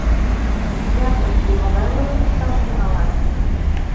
— Театрыште могай рольым шукташ тӱҥалат?